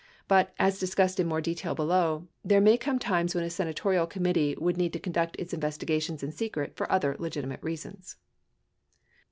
But, as discussed in more detail below, there may come times when a senatorial committee would need to conduct its investigations in secret for other legitimate reasons.